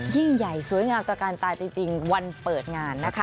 ยิ่งใหญ่สวยงามตระการตาจริงวันเปิดงานนะคะ